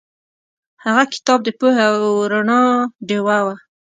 هغه کتاب د پوهې او رڼا ډیوه وه.